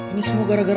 ini semua gara gara lo